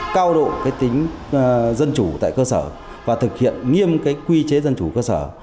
chúng ta phải thực hiện cao độ tính dân chủ tại cơ sở và thực hiện nghiêm quy chế dân chủ cơ sở